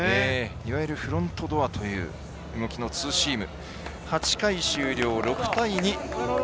いわゆるフロントドアと言われるツーシーム。